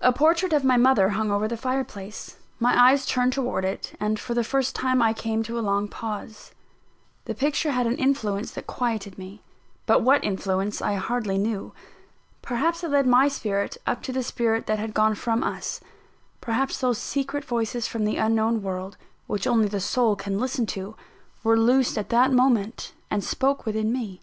A portrait of my mother hung over the fireplace: my eyes turned towards it, and for the first time I came to a long pause. The picture had an influence that quieted me; but what influence I hardly knew. Perhaps it led my spirit up to the spirit that had gone from us perhaps those secret voices from the unknown world, which only the soul can listen to, were loosed at that moment, and spoke within me.